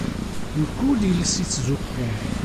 Mkul iles ittzuxxun.